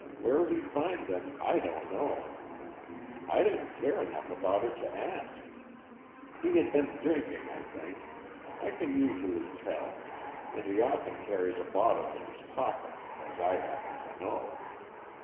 Where he found them I don't know I didn't care enough about it to ask. He had been drinking, I think; I can usually tell and he often carries a bottle in his pocket, as I happen to know.